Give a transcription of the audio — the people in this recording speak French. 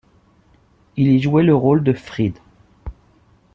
Il y jouait le rôle de 'Frid'.